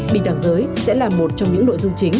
bình đẳng giới sẽ là một trong những nội dung chính